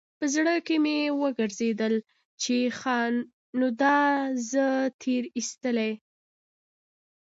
په زړه کښې مې وګرځېدل چې ښه نو دا زه تېر ايستلى.